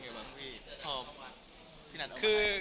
นังก็หลอกเอ๋ย